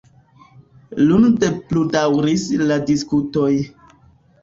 Lunde pludaŭris la diskutoj.